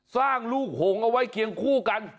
สร้างลูกหงเอาไว้เคียงคู่กัน